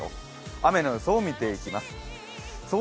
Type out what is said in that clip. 雨の予想、見ていきます。